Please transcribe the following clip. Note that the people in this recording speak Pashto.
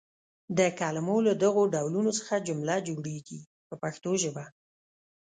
د کلمو له دغو ډولونو څخه جمله جوړیږي په پښتو ژبه.